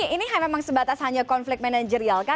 ini memang sebatas hanya konflik manajerial kah